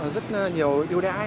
rất nhiều yêu đáy